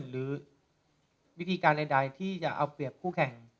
หรือวิธีการใดที่จะเอาเปรียบคู่แข่ง